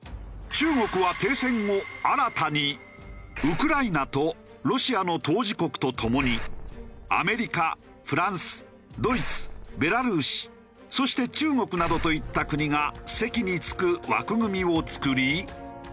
中国は停戦後新たにウクライナとロシアの当事国とともにアメリカフランスドイツベラルーシそして中国などといった国が席に着く枠組みを作り。